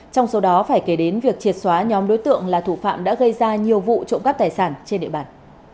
trong số đó phải kể đến việc triệt xóa nhóm đối tượng là thủ phạm đã gây ra nhiều vụ trộm cắp tài sản trên địa bàn